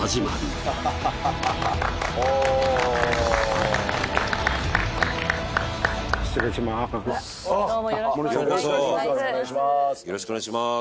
ようこそよろしくお願いします